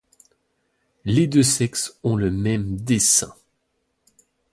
Les deux sexes ont le même dessin.